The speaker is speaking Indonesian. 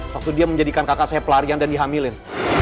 waktu dia menjadikan kakak saya pelarian dan dihamilin